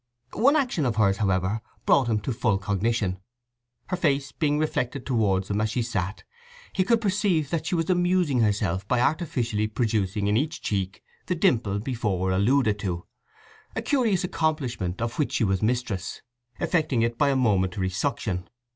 One action of hers, however, brought him to full cognition. Her face being reflected towards him as she sat, he could perceive that she was amusing herself by artificially producing in each cheek the dimple before alluded to, a curious accomplishment of which she was mistress, effecting it by a momentary suction.